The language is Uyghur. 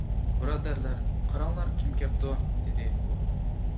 -بۇرادەرلەر، قاراڭلار كىم كەپتۇ؟ -دېدى ئۇ.